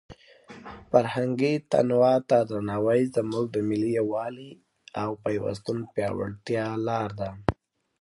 فرهنګي تنوع ته درناوی زموږ د ملي یووالي او پیوستون د پیاوړتیا لاره ده.